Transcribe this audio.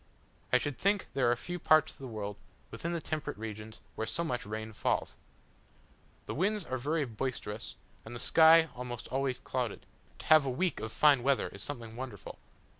I should think there are few parts of the world, within the temperate regions, where so much rain falls. The winds are very boisterous, and the sky almost always clouded: to have a week of fine weather is something wonderful.